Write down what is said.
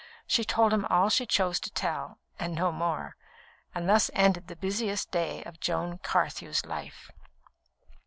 She told him all she chose to tell, and no more; and thus ended the busiest day of Joan Carthew's life.